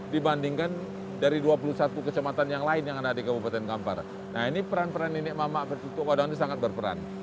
dibandingkan dari dua puluh satu kecamatan yang lain yang ada di kabupaten kampar nah ini peran peran nenek mamak bertutuk wadang ini sangat berperan